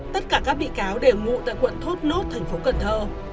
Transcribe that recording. tất cả các bị cáo đều ngụ tại quận thốt nốt thành phố cần thơ